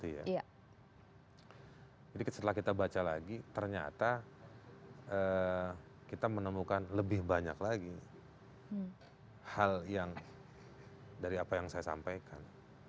jadi setelah kita baca lagi ternyata kita menemukan lebih banyak lagi hal yang dari apa yang saya sampaikan